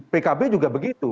pkb juga begitu